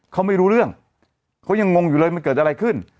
เขาไม่รู้เรื่องเขายังงงอยู่เลยมันเกิดอะไรขึ้น